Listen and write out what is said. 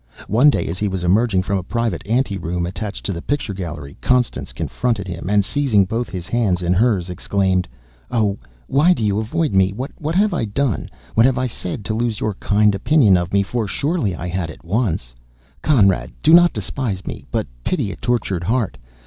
One day as he was emerging from a private ante room attached to the picture gallery, Constance confronted him, and seizing both his hands, in hers, exclaimed: "Oh, why, do you avoid me? What have I done what have I said, to lose your kind opinion of me for, surely I had it once? Conrad, do not despise me, but pity a tortured heart?